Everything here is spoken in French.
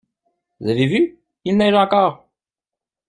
Vous avez vu? Il neige encore!